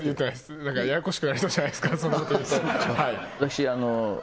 何かややこしくなりそうじゃないですかそんなこと言うと